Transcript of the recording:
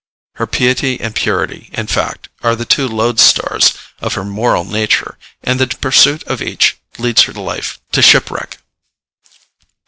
Her piety and purity, in fact, are the two loadstars of her moral nature, and the pursuit of each leads her life to shipwreck.